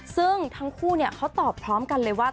ซึ่งทั้งคู่เขาตอบพร้อมกันเลยว่า